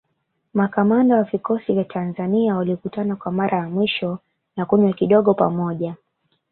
Makamanda wa vikosi vya Tanzania walikutana kwa mara ya mwisho na kunywa kidogo pamoja